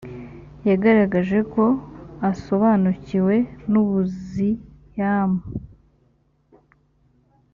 yagaragaje ko asobanukiwe nubuziam